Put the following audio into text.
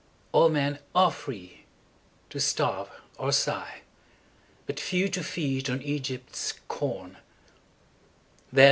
All men are free—to starve or sigh; But few to feed on Egypt's corn.